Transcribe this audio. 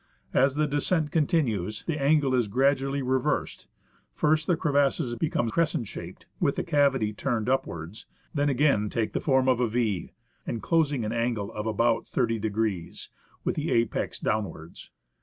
As the descent continues, the angle is gradually reversed : first the crevasses become crescent shaped, with the cavity turned upwards ; then again take the form of a V, enclosing an angle of about 30°, with the apex downwards.